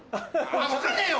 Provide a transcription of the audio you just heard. あ分かんねえよ！